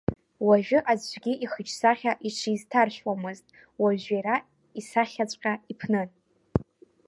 Уажәы аӡәгьы ихаҿсахьа иҽизҭаршәуамызт, уажә иара исахьаҵәҟьа иԥнын.